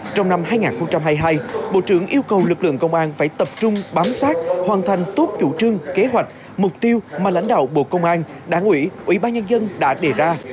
trong năm hai nghìn hai mươi hai bộ trưởng yêu cầu lực lượng công an phải tập trung bám sát hoàn thành tốt chủ trương kế hoạch mục tiêu mà lãnh đạo bộ công an đảng ủy ủy ban nhân dân đã đề ra